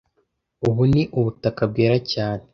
Ubu ni ubutaka bwera cyane